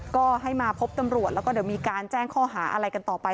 ก็ให้มาพบตำรวจแล้วก็เดี๋ยวมีการแจ้งข้อหาอะไรกันต่อไป